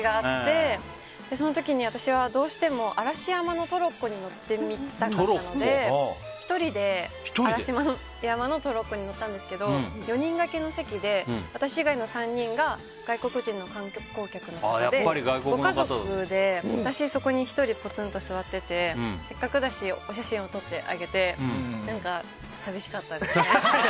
その時に、私はどうしても嵐山のトロッコに乗ってみたかったので１人で嵐山のトロッコに乗ったんですけど４人掛けの席で私以外の３人が外国人の観光客の方でご家族で、私そこに１人ポツンと座っててせっかくだしお写真を撮ってあげて何か、寂しかったですね。